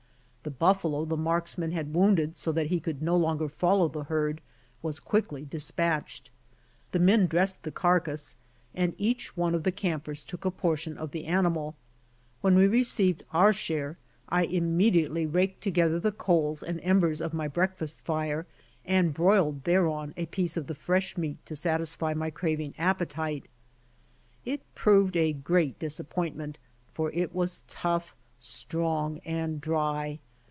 The buffalo the marksmen had wounded so that he could no longer follow the herd was quickly dispatched. The men dressed the carcass, and each one of the campers took a portion of the anima!. When we received our share I immediately raked to gether the coals and embers of my breakfast fire, and broiled thereon a piece of the fresh meat to satisfy my craving appetite. It proved a great disappoint ment, for it was tough, strong and dry.